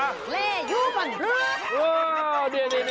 แร่ยูบัง